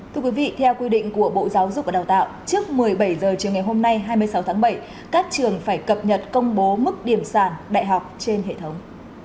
thưa quý vị theo quy định của bộ giáo dục và đào tạo trước một mươi bảy h chiều ngày hôm nay hai mươi sáu tháng bảy các trường phải cập nhật công bố mức điểm sàn đại học trên hệ thống